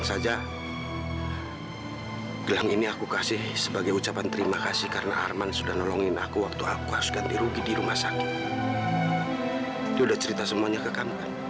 sampai jumpa di video selanjutnya